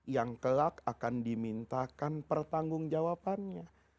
yang kelak akan dimintakan pertanggung jawabannya